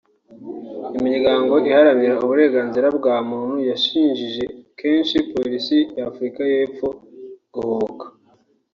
Imiryango iharanira uburenganzira bwa muntu yashinjije kenshi Polisi y’Afurika y’Epfo guhubuka